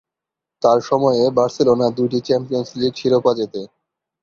তার সময়ে বার্সেলোনা দুইটি চ্যাম্পিয়নস লীগ শিরোপা জেতে।